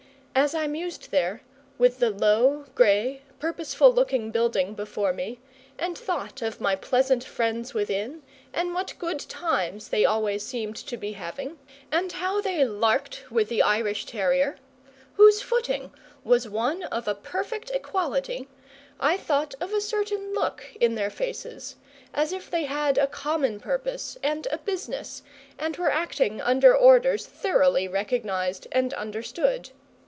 As I mused there, with the low, grey, purposeful looking building before me, and thought of my pleasant friends within, and what good times they always seemed to be having, and how they larked with the Irish terrier, whose footing was one of a perfect equality, I thought of a certain look in their faces, as if they had a common purpose and a business, and were acting under orders thoroughly recognised and understood.